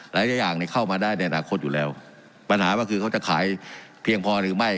หลายอย่างเนี่ยเข้ามาได้ในอนาคตอยู่แล้วปัญหาก็คือเขาจะขายเพียงพอหรือไม่